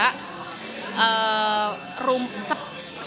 karena itu terjaga